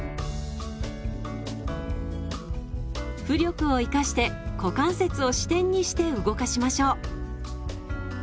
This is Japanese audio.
浮力を生かして股関節を支点にして動かしましょう。